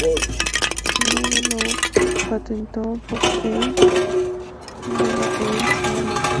Luego lo patentó Bob Heil, de la Heil Sound.